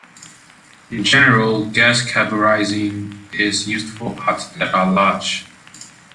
In general, gas carburizing is used for parts that are large.